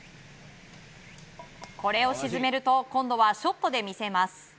これを沈めると今度はショットで見せます。